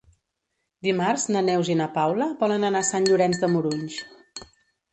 Dimarts na Neus i na Paula volen anar a Sant Llorenç de Morunys.